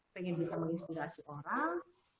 pengen bisa menginspirasi orang